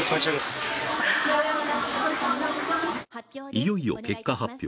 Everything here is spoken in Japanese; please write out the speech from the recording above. いよいよ結果発表。